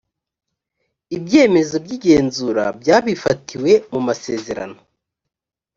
ibyemezo by igenzura byabifatiwe mu masezerano